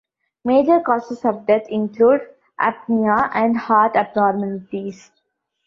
Major causes of death include apnea and heart abnormalities.